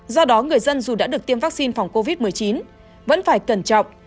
do đó người dân dù đã được tiêm vaccine phòng covid một mươi chín vẫn phải cẩn trọng